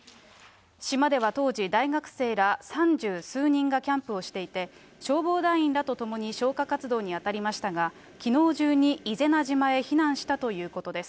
島では当時、大学生ら三十数人がキャンプをしていて、消防団員らとともに消火活動に当たりましたが、きのう中にいぜな島へ避難したということです。